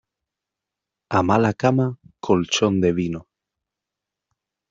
A mala cama, colchón de vino.